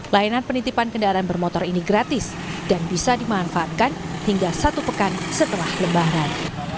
layanan penitipan kendaraan bermotor ini gratis dan bisa dimanfaatkan hingga satu pekan setelah lebaran